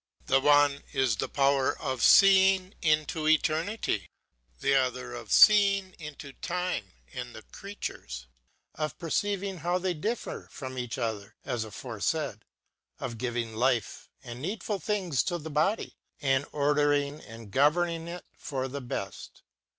The one is the power of feeing into eternity, the other of feeing into time* and the creatures, of perceiving how they differ from each other as aforefaid, of giving life and needful things to the body, and order ing and governing it for the beft.